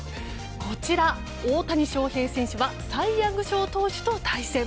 こちら、大谷翔平選手はサイ・ヤング賞投手と対戦。